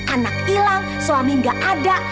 anak hilang suami nggak ada